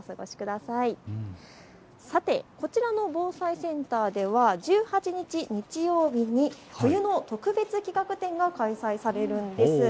さて、こちらの防災センターでは１８日、日曜日に冬の特別企画展が開催されるんです。